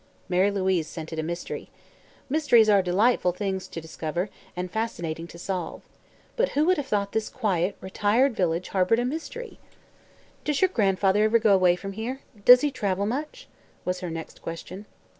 Mary Louise scented a mystery. Mysteries are delightful things to discover, and fascinating to solve. But who would have thought this quiet, retired village harbored a mystery? "Does your grandfather ever go away from here? Does he travel much?" was her next question.